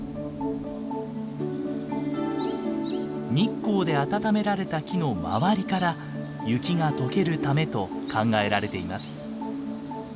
日光で暖められた木の周りから雪が解けるためと考えられています。